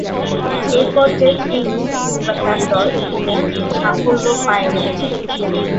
এ পর্যায়ে তিনি কিংবা তার দল কোন সাফল্য পায়নি।